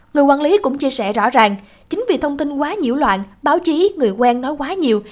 người quản lý cũng chia sẻ rõ ràng chính vì thông tin quá nhiễu loạn báo chí người quen nói quá nhiều